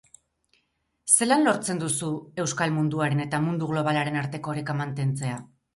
Zelan lortzen duzu euskal munduaren eta mundu globalaren arteko oreka mantentzea?